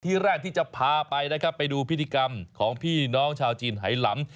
แรกที่จะพาไปนะครับไปดูพิธีกรรมของพี่น้องชาวจีนไหลำ